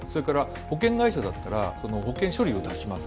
保険会社だったら保険処理を出します。